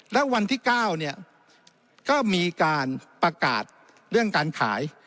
แล้ววันที่๙เนี่ยก็มีการประกาศเรื่องการขาย